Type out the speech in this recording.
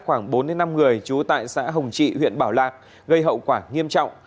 khoảng bốn năm người trú tại xã hồng trị huyện bảo lạc gây hậu quả nghiêm trọng